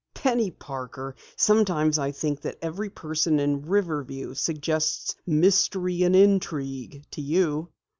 "Penny Parker, sometimes I think that every person in Riverview suggests mystery and intrigue to you!"